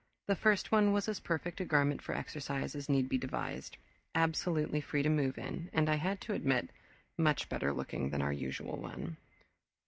The first one was as perfect a garment for exercise as need be devised, absolutely free to move in, and, I had to admit, much better looking than our usual one.